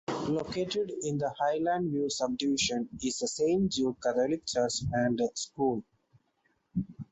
Located in the Highland View subdivision is Saint Jude Catholic Church and School.